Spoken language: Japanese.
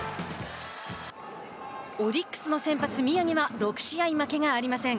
オリックスの先発、宮城は６試合負けがありません。